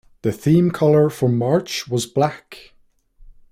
The theme colour for the march was black.